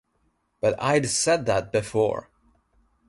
But I'd said that before.